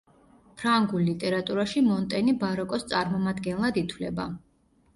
ფრანგულ ლიტერატურაში მონტენი ბაროკოს წარმომადგენლად ითვლება.